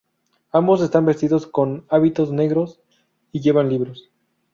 Ambos están vestidos con hábitos negros y llevan libros.